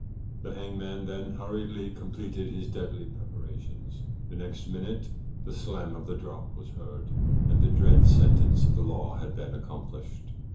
The hangman then hurriedly completed his deadly preparations, the next minute the slam of the drop was heard, and the dread sentence of the law had been accomplished.